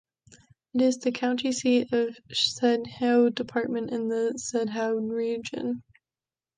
It is the county seat of Sedhiou department and the Sedhiou region.